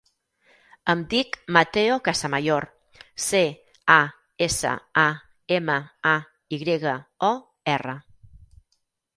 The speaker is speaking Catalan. Em dic Matteo Casamayor: ce, a, essa, a, ema, a, i grega, o, erra.